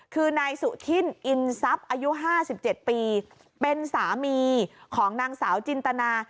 คือนายสุธินอินทรัพย์อายุ๕๗ปีเป็นสามีของนางสาวจินตนา